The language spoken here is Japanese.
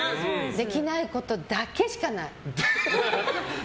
できないことだけしかない。